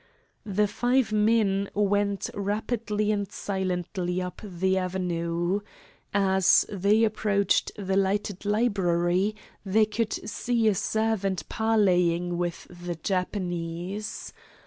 The five men went rapidly and silently up the avenue. As they approached the lighted library, they could see a servant parleying with the Japanese.